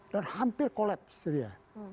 dan hampir kolaps syria